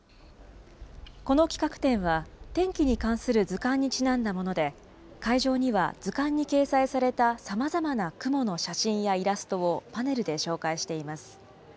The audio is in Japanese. この企画展は、天気に関する図鑑にちなんだもので、会場には、図鑑に掲載されたさまざまな雲の写真やイラストをパネルで紹介しています。